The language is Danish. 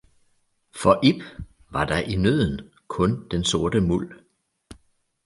For ib var der i nødden kun den sorte muld